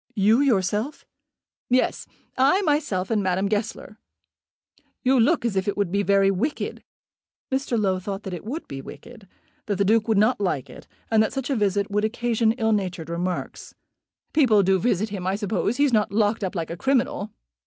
"You, yourself?" "Yes; I myself, and Madame Goesler. You look as if it would be very wicked." Mr. Low thought that it would be wicked; that the Duke would not like it; and that such a visit would occasion ill natured remarks. "People do visit him, I suppose. He's not locked up like a criminal."